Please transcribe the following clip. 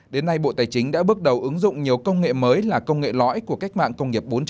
đến nay bộ tài chính đã bước đầu ứng dụng nhiều công nghệ mới là công nghệ lõi của cách mạng công nghiệp bốn